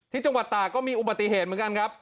ที่จังหวัดตากก็มีอุบัติเหตุเหมือนกันครับ